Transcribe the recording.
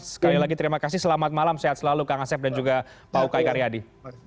sekali lagi terima kasih selamat malam sehat selalu kang asep dan juga pak ukay karyadi